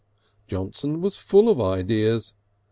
Johnson was full of ideas.